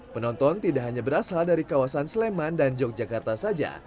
penonton tidak hanya berasal dari kawasan sleman dan yogyakarta saja